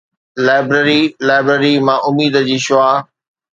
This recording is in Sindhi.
لائبرري لائبريري مان اميد جا شعاع